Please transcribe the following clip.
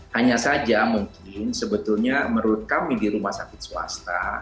hanya saja mungkin sebetulnya menurut kami di rumah sakit swasta